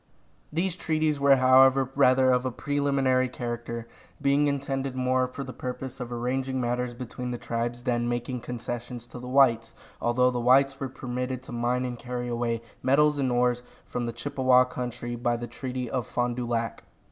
These treaties were, however, rather of a preliminary character, being intended more for the purpose of arranging matters between the tribes than making concessions to the whites, although the whites were permitted to mine and carry away metals and ores from the Chippewa country by the treaty of Fond du Lac.